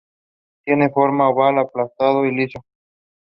Some include metallic paints containing bronze or aluminum.